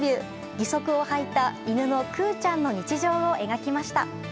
義足をはいた犬のくうちゃんの日常を描きました。